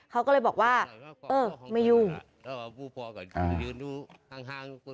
เขาก็เลยบอกว่าเออไม่ยุ่ง